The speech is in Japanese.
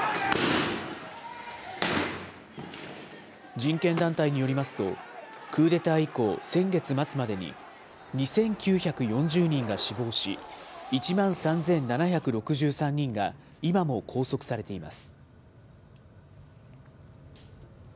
人権団体によりますと、クーデター以降、先月末までに２９４０人が死亡し、１万３７６３人が今も拘束されています。